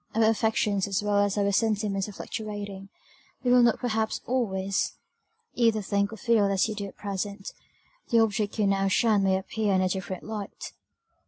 Our affections as well as our sentiments are fluctuating; you will not perhaps always either think or feel as you do at present: the object you now shun may appear in a different light."